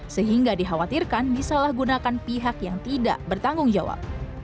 sehingga dikhawatirkan disalahgunakan pihak yang tidak bertanggung jawab